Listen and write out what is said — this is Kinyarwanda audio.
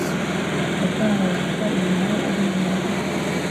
yatangaje ko iyo nkuru ari ibinyoma